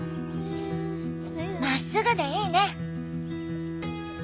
まっすぐでいいね。